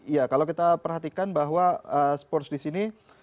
ya kalau kita perhatikan bahwa spurs di sini